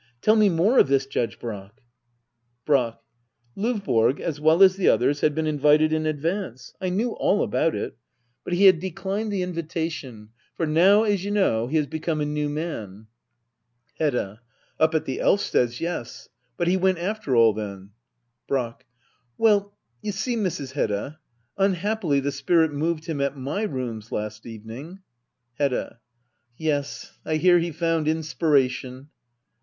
Tell me more of this, Judge Brack Brack. Ldvborg, as well as the others, had been invited in advance. I knew all about it But he had Digitized by Google 134 HEDDA OABLER. [aCT III. declined the invitation ; for now, as you know, he has become a new man, Hedda. Up at the Elvsteds', yes. But he went after all, then ? Brack. Well, you see, Mrs. Hedda — unhappily the spirit moved him at my rooms last evening Medda. Yes, I hear he found inspiration.